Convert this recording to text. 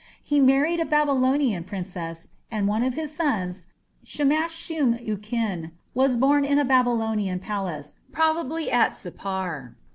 He married a Babylonian princess, and one of his sons, Shamash shum ukin, was born in a Babylonian palace, probably at Sippar.